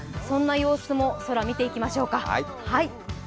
そんな様子も空を見ていきましょうか。